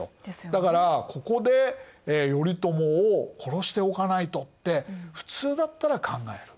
だから「ここで頼朝を殺しておかないと」って普通だったら考える。